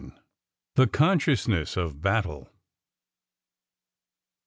THE CONSCIOUSNESS OF BATTLE.